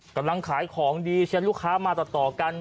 กำลังขายของดีเชียร์ลูกค้ามาต่อกัน